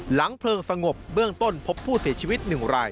เพลิงสงบเบื้องต้นพบผู้เสียชีวิต๑ราย